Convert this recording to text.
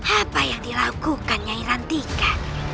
apa yang dilakukan nyairantika